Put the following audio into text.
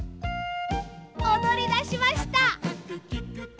おどりだしました。